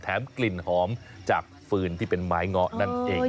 แถมกลิ่นหอมจากฝืนที่เป็นไม้ง้อนั่นเองนะ